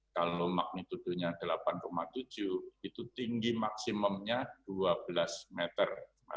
kalau magnitudenya delapan tujuh itu tinggi maksimumnya dua belas meter